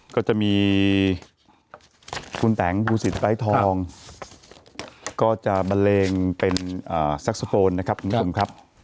ก็จะมีคุณแต่งภูสิตไร้ทองก็จะบันเลงเป็นซักโซโฟนนะครับคุณผู้ชมครับ